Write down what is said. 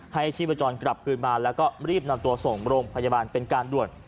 ชีพจรกลับคืนมาแล้วก็รีบนำตัวส่งโรงพยาบาลเป็นการด่วน